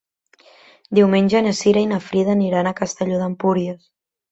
Diumenge na Cira i na Frida aniran a Castelló d'Empúries.